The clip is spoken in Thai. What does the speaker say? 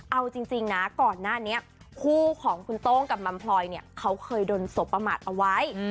เอาจริงนะก่อนหน้านี้คู่ของคุณโต้งกับมัมพลอยเนี่ยเขาเคยโดนสบประมาทเอาไว้